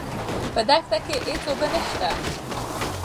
په دښته کې هېڅ اوبه نشته.